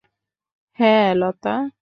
হ্যাঁ, লতা।